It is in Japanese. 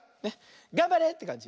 がんばれってかんじ。